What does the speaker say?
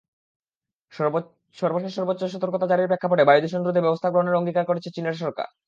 সর্বশেষ সর্বোচ্চ সতর্কতা জারির প্রেক্ষাপটে বায়ুদূষণ রোধে ব্যবস্থা গ্রহণের অঙ্গীকার করেছে চীনের সরকার।